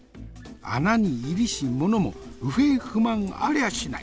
穴に入りし者も不平不満ありゃしない。